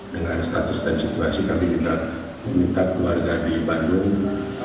dengan status dan situasi kami minta keluarga di bandung